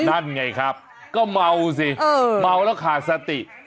นั่นไงครับก็เมาสิเมาแล้วขาดสติ